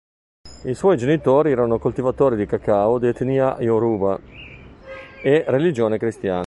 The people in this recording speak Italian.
I suoi genitori erano coltivatori di cacao di etnia Yoruba e religione cristiana.